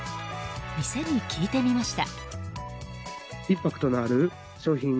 店に聞いてみました。